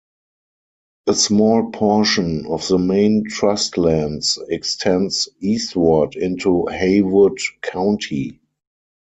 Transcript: A small portion of the main trust lands extends eastward into Haywood County.